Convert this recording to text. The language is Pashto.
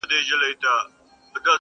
• د همزولو په ټولۍ کي ګلدسته یم -